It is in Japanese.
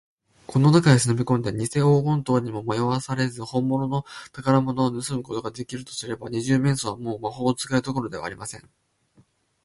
この中へしのびこんで、にせ黄金塔にもまよわされず、ほんものの宝物をぬすむことができるとすれば、二十面相は、もう魔法使いどころではありません。